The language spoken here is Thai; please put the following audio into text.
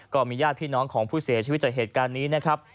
ก็มีญาติพี่น้องของผู้เสียชีวิตจากเหตุการณ์นี้นะครับ